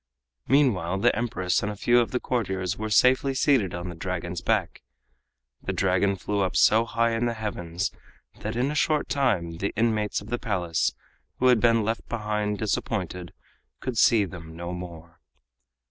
Meanwhile the Empress and a few of the courtiers were safely seated on the Dragon's back. The Dragon flew up so high in the heavens that in a short time the inmates of the Palace, who had been left behind disappointed, could see them no more.